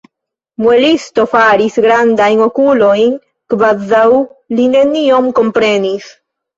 Muelisto faris grandajn okulojn, kvazaŭ li nenion komprenis.